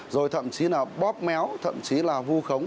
rồi thậm chí là bóp méo thậm chí là vu khống